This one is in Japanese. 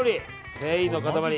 繊維の塊。